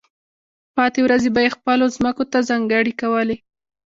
پاتې ورځې به یې خپلو ځمکو ته ځانګړې کولې.